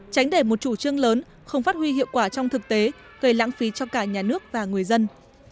tránh để một chủ trương lớn không phát huy hiệu quả trong thực tế gây lãng phí cho cả nhà nước và người dân